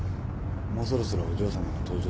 もうそろそろお嬢さまの登場でしょ？